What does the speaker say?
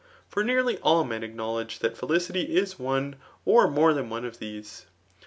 For nearly all men acknowledge that felicity is one^ or quore than one of these.